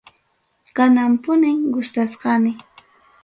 Kanan punim gustachkani.